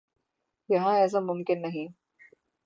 یہاں ایسا ممکن نہیں۔